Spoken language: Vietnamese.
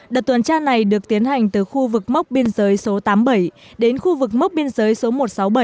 đợt tuần tra này được tiến hành từ khu vực mốc biên giới số tám mươi bảy đến khu vực mốc biên giới số một trăm sáu mươi bảy